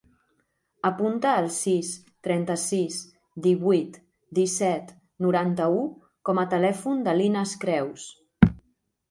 Apunta el sis, trenta-sis, divuit, disset, noranta-u com a telèfon de l'Inas Creus.